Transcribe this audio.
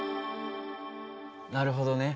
なるほどね。